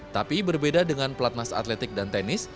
tapi berbeda dengan pelatnas atletik dan tenis